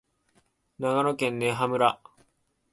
長野県根羽村